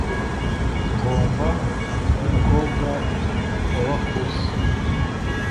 ngomba, nkumukobwa wa bakusi